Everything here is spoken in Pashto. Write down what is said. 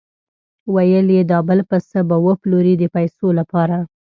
ویل یې دا بل پسه به وپلوري د پیسو لپاره.